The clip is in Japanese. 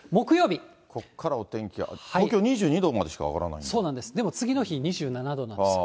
ここからお天気、東京２２度そうなんです、でも次の日２７度なんですよ。